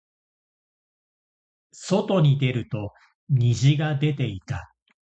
外に出ると虹が出ていた。